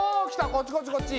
こっちこっちこっち。